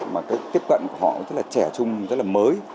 mà cái tiếp cận của họ rất là trẻ trung rất là mới